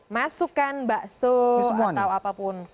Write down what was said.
masukkan bakso atau apapun